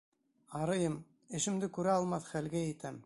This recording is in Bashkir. Арыйым, эшемде күрә алмаҫ хәлгә етәм.